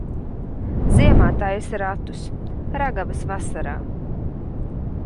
Ziemā taisi ratus, ragavas vasarā.